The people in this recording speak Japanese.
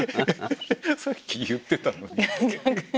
さっき言ってたのに。